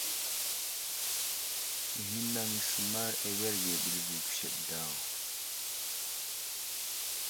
Ghinaŋ i səmar awerge ɓəlvi kuseɗ daw.